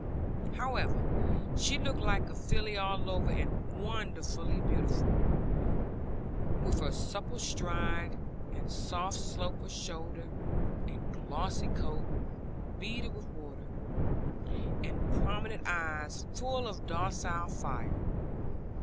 However, she looked like a filly all over, and wonderfully beautiful, with her supple stride, and soft slope of shoulder, and glossy coat beaded with water, and prominent eyes full of docile fire.